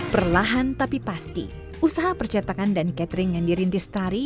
perlahan tapi pasti usaha percetakan dan catering yang dirintis tari